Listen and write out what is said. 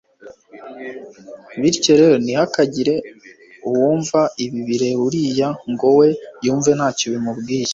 bityo rero ntihakagire uwumva ibi bireba uriya ngo we yumve ntacyo bimubwiye